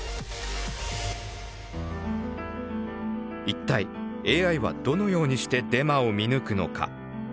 一体ＡＩはどのようにしてデマを見抜くのか。